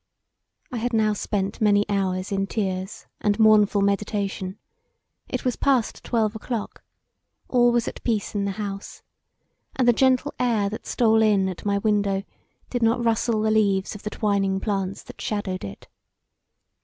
I had now spent many hours in tears and mournful meditation; it was past twelve o'clock; all was at peace in the house, and the gentle air that stole in at my window did not rustle the leaves of the twining plants that shadowed it.